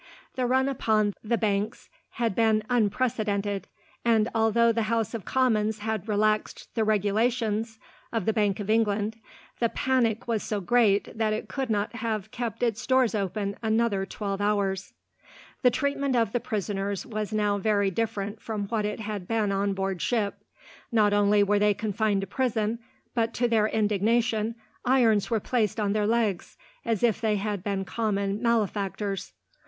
The run upon the banks had been unprecedented, and although the House of Commons had relaxed the regulations of the Bank of England, the panic was so great that it could not have kept its doors open another twelve hours. The treatment of the prisoners was now very different from what it had been on board ship. Not only were they confined to prison, but, to their indignation, irons were placed on their legs, as if they had been common malefactors.